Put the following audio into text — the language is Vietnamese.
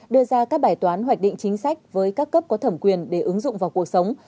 đưa ra các bài toán hoạch định chính sách với các cấp có thẩm quyền để ứng dụng vào cuộc sống